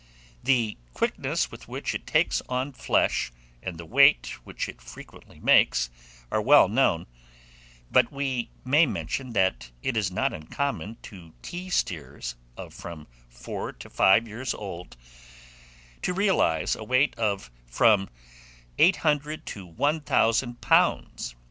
The quickness with which it takes on flesh, and the weight which it frequently makes, are well known; but we may mention that it is not uncommon to tee steers of from four to five years old realize a weight of from 800 to 1,000 lbs.